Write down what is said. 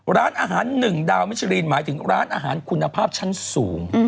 ร้านอาหาร๑ดาวมิชรีนหมายถึงร้านอาหารคุณภาพชั้นสูง